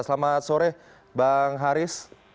selamat sore bang haris